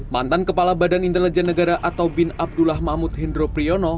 mantan kepala badan intelijen negara atau bin abdullah mahmud hindro priyono